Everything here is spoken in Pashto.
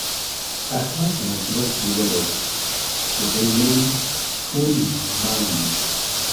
احمد د مجلس ډېوه دی، چې دی نه وي ټول مړاوي وي.